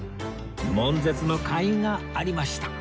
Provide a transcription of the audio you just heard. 悶絶のかいがありました